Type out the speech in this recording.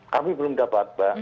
kami belum dapat pak